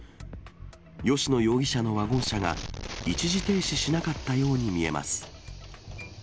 吉野容疑者のワゴン車が一時停止しなかったように見えます。